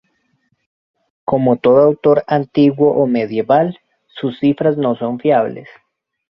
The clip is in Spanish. Como todo autor antiguo o medieval, sus cifras no son fiables.